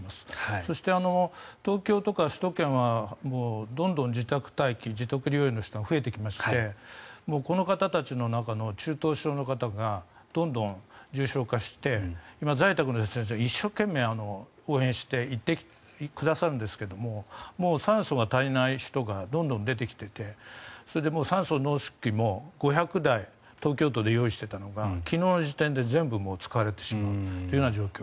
そして、東京とか首都圏はどんどん自宅待機自宅療養の人が増えてきましてこの方たちの中の中等症の方がどんどん重症化して今、在宅の先生方は一生懸命応援して行ってくださるんですけど酸素が足りない人がどんどん出てきていて酸素濃縮装置も５００台東京都で用意していたのが昨日の時点で全部使われてしまう状況。